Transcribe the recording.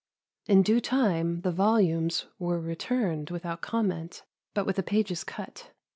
In due time the volumes were returned, without comment, but with the pages cut.